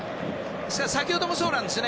先ほどもそうなんですよね。